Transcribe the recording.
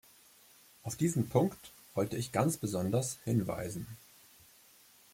Auf diesen Punkt wollte ich ganz besonders hinweisen.